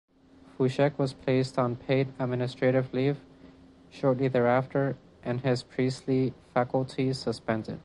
Fushek was placed on paid administrative leave shortly thereafter and his priestly faculties suspended.